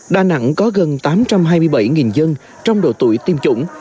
đà nẵng có gần tám trăm hai mươi bảy dân trong độ tuổi tiêm chủng